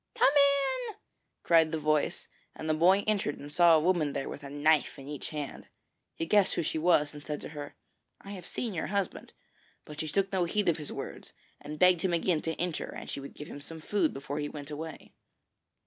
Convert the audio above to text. Come in!' cried the voice, and the boy entered and saw a woman there with a knife in each hand. He guessed who she was, and said to her: 'I have seen your husband;' but she took no heed of his words, and begged him again to enter and she would give him some food before he went on his way.